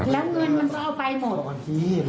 แล้วเงินมันก็เอาไปหมด